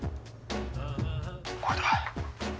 「これだ。